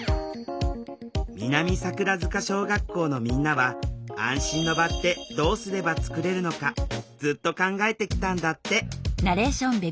南桜塚小学校のみんなは安心の場ってどうすればつくれるのかずっと考えてきたんだって。